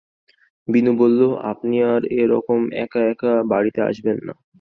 বিনু বলল, আপনি আর এ-রকম এক-একা এ বাড়িতে আসবেন না!